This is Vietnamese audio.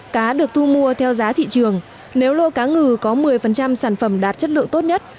cá được thu mua theo giá thị trường nếu lô cá ngừ có một mươi sản phẩm đạt chất lượng tốt nhất